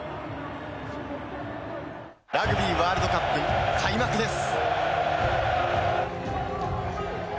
ラグビーワールドカップ開幕です。